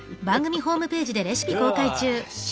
よし。